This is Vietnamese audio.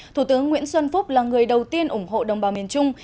thủ tướng nguyễn xuân phúc là người đầu tiên ủng hộ đồng bào miền trung